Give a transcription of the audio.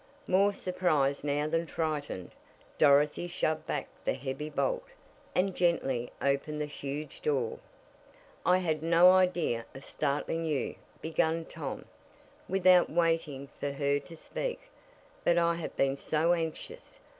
More surprised now than frightened, Dorothy shoved back the heavy bolt and gently opened the huge door. "I had no idea of startling you," began Tom, without waiting for her to speak, "but I have been so anxious!